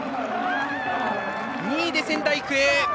２位で仙台育英。